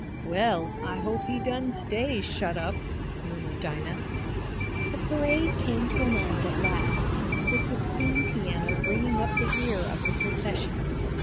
"Well, I hope he done stays shut up," murmured Dinah. The parade came to an end at last, with the steam piano bringing up in the rear of the procession.